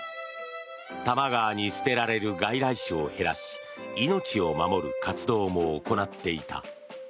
多摩川に捨てられる外来種を減らし命を守る活動も行っていた。